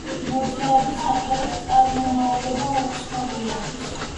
მოძრაობის სახელის წარმომავლობა უცნობია.